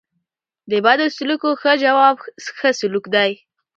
د بدو سلوکو ښه جواب؛ ښه سلوک دئ.